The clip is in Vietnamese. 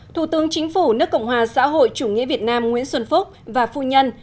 thủ tướng chính phủ nước cộng hòa xã hội chủ nghĩa việt nam nguyễn xuân phúc và phu nhân